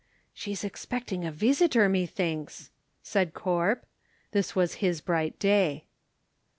"She's expecting a veesitor, methinks," said Corp. This was his bright day.